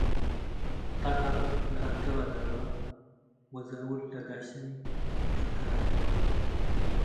ጠቀር ለአድገ በዳበ - ወዛውል ለጋሻይ ትከተለት፣